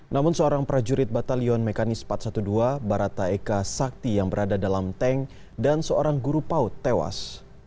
namun seorang prajurit batalion mekanis empat ratus dua belas barata eka sakti yang berada dalam tank dan seorang guru paut tewas